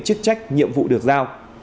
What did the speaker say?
chức trách nhiệm vụ được giao